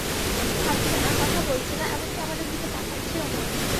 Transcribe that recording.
খাচ্ছে না, কথা বলছে না, এমনকি আমাদের দিকে তাকাচ্ছেও না।